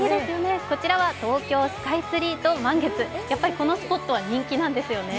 こちらは東京スカイツリーと満月、やっぱりこのスポットは人気なんですよね。